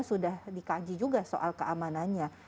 sudah dikaji juga soal keamanannya